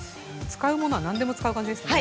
使うものは何でも使う感じですね。